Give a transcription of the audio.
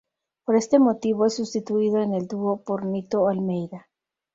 Por este motivo es sustituido en el dúo por Nito Almeida.